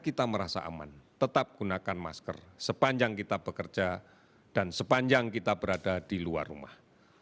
kita merasa aman tetap gunakan masker sepanjang kita bekerja dan sepanjang kita berada di luar rumah